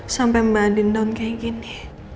sampai mbak andin down kayak gini